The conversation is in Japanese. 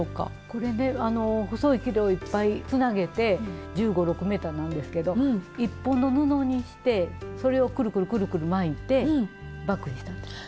これね細いきれをいっぱいつなげて１５１６ｍなんですけど１本の布にしてそれをくるくるくるくる巻いてバッグにしたんです。